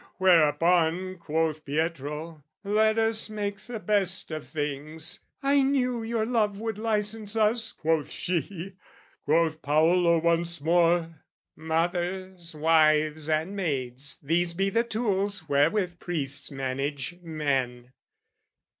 Whereupon Quoth Pietro "Let us make the best of things!" "I knew your love would licence us," quoth she: Quoth Paolo once more, "Mothers, wives, and maids, "These be the tools wherewith priests manage men."